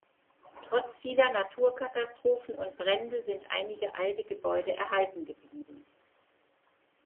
Trotz vieler Naturkatastrophen und Brände sind einige alte Gebäude erhalten geblieben.